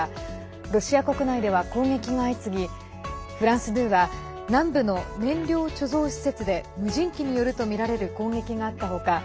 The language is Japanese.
ロシア国内では攻撃が相次ぎフランス２は南部の燃料貯蔵施設で無人機によるとみられる攻撃があった他